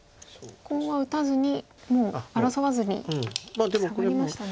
コウは打たずにもう争わずにサガりましたね。